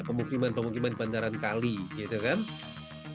pemukiman pemukiman di bandaran kali gitu kan